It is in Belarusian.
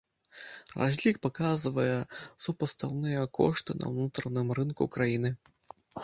Разлік паказвае супастаўныя кошты на ўнутраным рынку краіны.